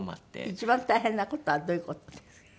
一番大変な事はどういう事です？